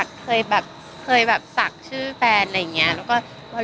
เคยสักชื่อแฟนแล้วก็โลหะ